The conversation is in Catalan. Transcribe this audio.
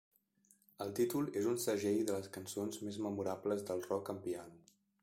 El títol és un segell de les cançons més memorables del rock en piano.